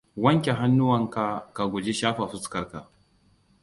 Wanke hannuwanka ka guji shafa fuskar ka.